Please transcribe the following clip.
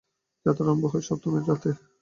যাত্রা আরম্ভ হয় সপ্তমীর রাত্রে।